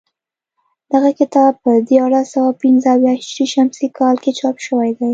دغه کتاب په دیارلس سوه پنځه اویا هجري شمسي کال کې چاپ شوی دی